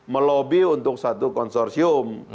melobe untuk satu konsorsium